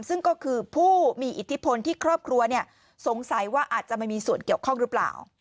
ซึ่งก็คือผู้มีอิทธิพลที่ครอบครัวสงสัยว่าอาจจะไม่มีส่วนเกี่ยวข้องหรือเปล่า